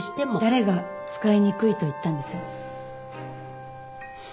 誰が使いにくいと言ったんです？